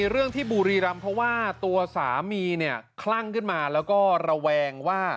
เรื่องที่บุรีรำเพราะว่าตัวสามีเนี่ยคลั่งขึ้นมาแล้วก็ระแวงว่า